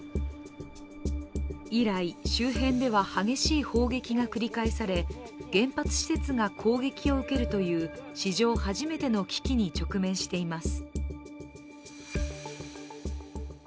依頼、周辺では激しい砲撃が繰り返され、原発施設が攻撃を受けるという史上初めての危機に直面しています。